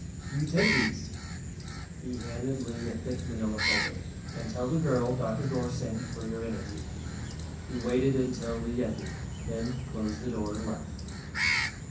You take these," he handed Lee a thick manila folder, "and tell the girl Dr. Gorss sent you for your interview." He waited until Lee had entered, then closed the door and left.